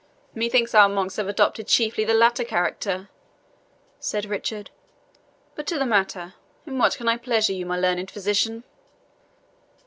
"Methinks our monks have adopted chiefly the latter character," said Richard. "But to the matter. In what can I pleasure you, my learned physician?"